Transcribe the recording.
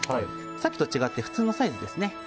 さっきと違って普通のサイズですね。